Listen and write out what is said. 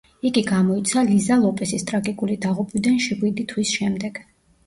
იგი გამოიცა ლიზა ლოპესის ტრაგიკული დაღუპვიდან შვიდი თვის შემდეგ.